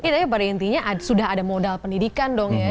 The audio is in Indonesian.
tapi pada intinya sudah ada modal pendidikan dong ya